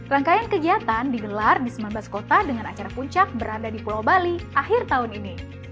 rangkaian kegiatan digelar di sembilan belas kota dengan acara puncak berada di pulau bali akhir tahun ini